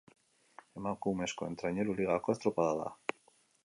Emakumezkoen Traineru Ligako estropada da.